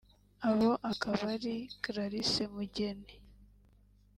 abo akaba ari Clarisse Mugeni